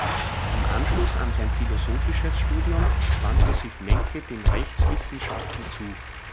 Im Anschluss an sein philosophisches Studium wandte sich Mencke den Rechtswissenschaften zu.